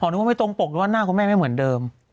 นึกว่าไม่ตรงปกหรือว่าหน้าคุณแม่ไม่เหมือนเดิม